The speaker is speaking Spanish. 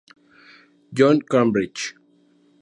John, Cambridge.